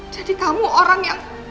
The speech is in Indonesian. jadi kamu orang yang